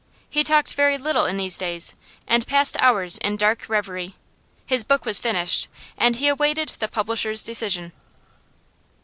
He talked very little in these days, and passed hours in dark reverie. His book was finished, and he awaited the publisher's decision.